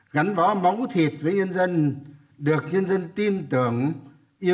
gắn võ móng thịt với nhân dân được nhân dân tin tưởng yêu mến